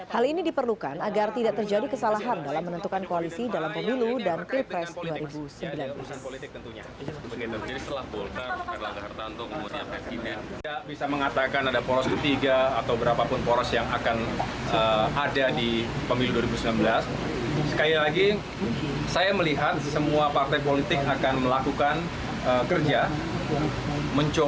hal ini diperlukan agar tidak terjadi kesalahan dalam menentukan koalisi dalam pemilu dan pilpres dua ribu sembilan belas